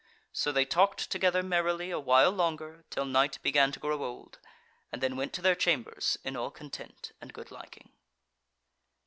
So they talked together merrily a while longer, till night began to grow old, and then went to their chambers in all content and good liking.